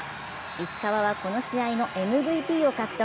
石川はこの試合のＭＶＰを獲得。